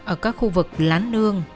ở các khu vực lán nương